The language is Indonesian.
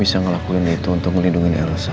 bisa ngelakuin itu untuk melindungi elsa